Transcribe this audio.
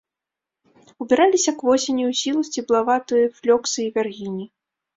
Убіраліся к восені ў сілу сцеблаватыя флёксы і вяргіні.